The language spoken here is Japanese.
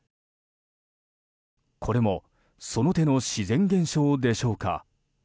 これもその手の自然現象でしょうか。